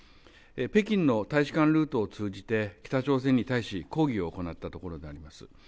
北京の大使館ルートを通じて、北朝鮮に対し、抗議を行ったところであります。